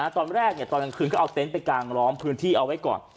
ตอนแรกตอนกลางคืนก็เอาเต็นต์ไปกางล้อมพื้นที่เอาไว้ก่อน